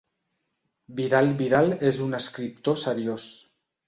Vidal Vidal és un escriptor seriós.